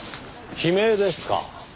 悲鳴ですか？